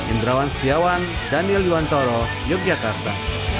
indrawan setiawan daniel yuwantoro yogyakarta